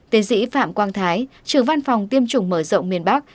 tiến sĩ phạm quang thái trường văn phòng tiêm chủng mở rộng miền bắc